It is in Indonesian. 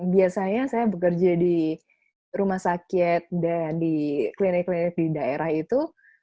biasanya saya bekerja di rumah sakit dan di klinik klinik di daerah itu